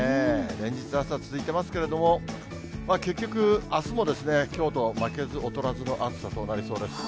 連日暑さ、続いていますけれども、結局、あすもきょうと負けず劣らずの暑さとなりそうです。